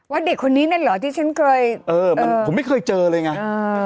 ว่าเด็กคนนี้นั่นเหรอที่ฉันเคยหมอเออผมไม่เคยเจอเลยไง